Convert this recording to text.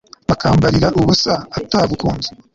wakwambarira ubusa atagukunze